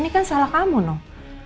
ini kan salah kamu dong